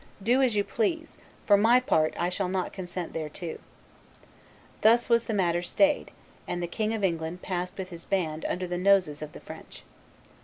Do as you please; for my part I shall not consent thereto.' Thus was this matter stayed; and the King of England passed with his band under the noses of the French."